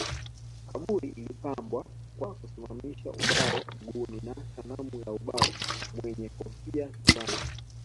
Kaburi ilipambwa kwa kusimamisha ubao mguuni na sanamu ya ubao mwenye kofia kichwani